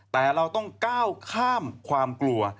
แต่เราต้องก้าวข้ามความกลัว